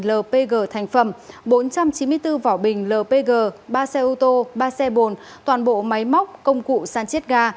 lpg thành phẩm bốn trăm chín mươi bốn vỏ bình lpg ba xe ô tô ba xe bồn toàn bộ máy móc công cụ san chiết ga